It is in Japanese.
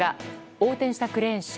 横転したクレーン車。